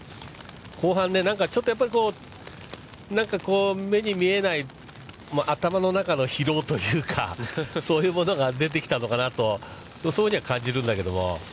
後半ね、ちょっとやっぱり、何かこう、目に見えない頭の中の疲労というか、そういうものが出てきたのかなと、そういうふうには感じるんだけども。